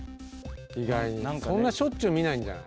意外にそんなしょっちゅう見ないんじゃない？